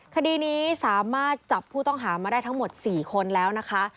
คดีนี้สามารถจับผู้ต้องหามาได้ทั้งหมด๔คนแล้วนะคะ